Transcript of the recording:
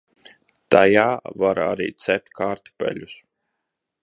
Tajā var arī cept kartupeļus.